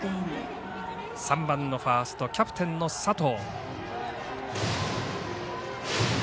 ３番ファーストキャプテンの佐藤。